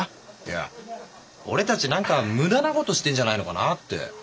いや俺たち何か無駄な事してんじゃないのかなって。